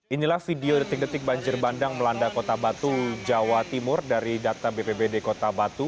inilah video detik detik banjir bandang melanda kota batu jawa timur dari data bpbd kota batu